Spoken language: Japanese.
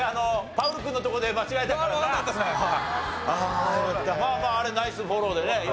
まあまああれナイスフォローでね。